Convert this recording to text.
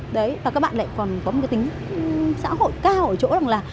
đấy và các bạn lại còn có một cái tính xã hội cao ở chỗ rằng là